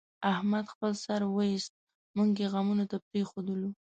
احمد خپل سر وایست، موږ یې غمونو ته پرېښودلو.